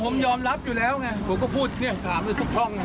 ผมมันยอมรับอยู่แล้วแหไมะกูก็พูดเนี่ยถามซึ่งทุกช่องน่ะ